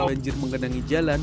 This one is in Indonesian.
maksudnya udah ketarik